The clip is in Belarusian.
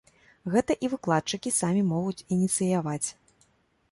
Гэта і выкладчыкі самі могуць ініцыяваць.